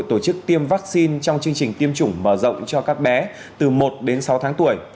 tổ chức tiêm vaccine trong chương trình tiêm chủng mở rộng cho các bé từ một đến sáu tháng tuổi